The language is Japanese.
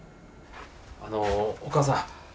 あのお母さん